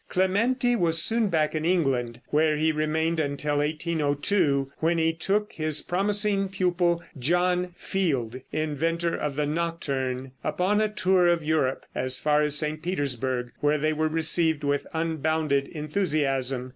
Clementi was soon back in England, where he remained until 1802, when he took his promising pupil, John Field, inventor of the nocturne, upon a tour of Europe, as far as St. Petersburg, where they were received with unbounded enthusiasm.